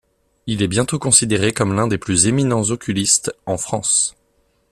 Il est bientôt considéré comme l’un des plus éminents oculistes en France.